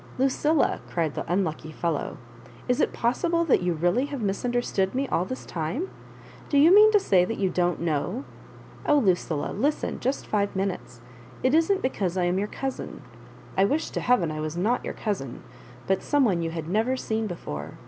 "Lucilla," cried the unlucky fellow, "is it possible that you really have misunderstood me all this time? Do you mean to say tliat you don't know ? Oh, Lucilla, listen just five minutes. It isn't because I am your cousin. I wish to heaven I was not your cousin, but some one you had never seen before.